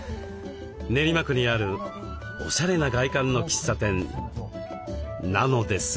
練馬区にあるおしゃれな外観の喫茶店なのですが。